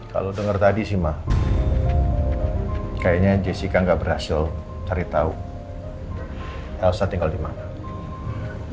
kalau denger tadi sih ma kayaknya jessica gak berhasil cari tau elsa tinggal dimana